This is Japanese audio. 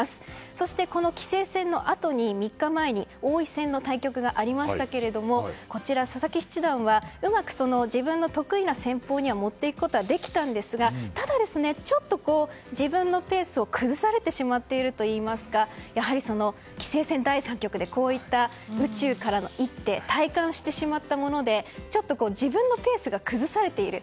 そして、この棋聖戦のあと３日前に王位戦の対局がありましたが佐々木七段はうまく自分の得意な戦法に持っていくことはできたんですがただ、ちょっと自分のペースを崩されてしまったといいますかやはり、棋聖戦第３局でこういった、宇宙からの一手を体感してしまったので自分のペースが崩されている。